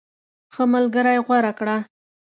ښه ملګری غوره کړه.